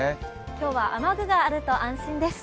今日は雨具があると安心です。